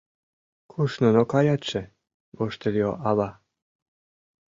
— Куш нуно каятше? — воштыльо ава.